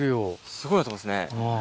すごいなってますね。